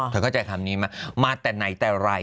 เธอก็จะทำนี้มามาแต่ไหนแต่ไร